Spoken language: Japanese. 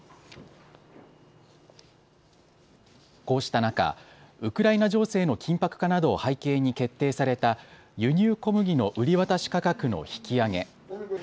こうした中、ウクライナ情勢の緊迫化などを背景に決定された輸入小麦の売り渡し価格の引き上げ。